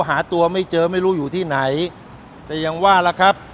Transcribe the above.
หาตัวไม่เจอไม่รู้อยู่ที่ไหนแต่ยังว่าล่ะครับ